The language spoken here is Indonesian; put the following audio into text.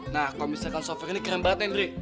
nah kalo misalkan sopir ini keren banget nih nri